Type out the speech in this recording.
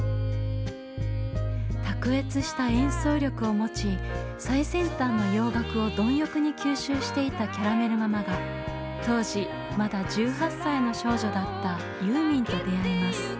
卓越した演奏力を持ち最先端の洋楽を貪欲に吸収していたキャラメル・ママが当時まだ１８歳の少女だったユーミンと出会います。